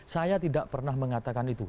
saya tidak pernah mengatakan itu